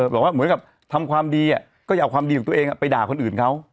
บอกว่าเหมือนกับทำความดีก็อย่าเอาความดีของตัวเองไปด่าคนอื่นเขา